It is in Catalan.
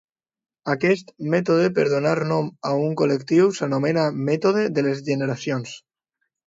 Aquest mètode per donar nom a un col·lectiu s'anomena mètode de les generacions.